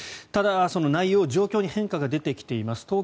ただ、その内容、状況に変化が出てきています。